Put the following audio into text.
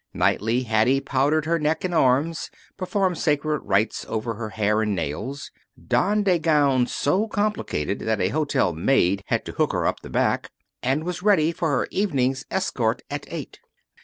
Nightly Hattie powdered her neck and arms, performed sacred rites over her hair and nails, donned a gown so complicated that a hotel maid had to hook her up the back, and was ready for her evening's escort at eight.